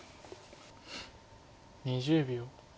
２０秒。